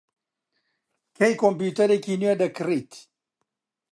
کەی کۆمپیوتەرێکی نوێ دەکڕیت؟